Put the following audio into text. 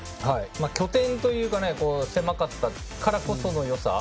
拠点というか狭かったからこそのよさ